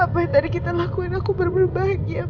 pasal kita lakukan aku membahagia